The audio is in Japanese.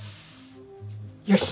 よし。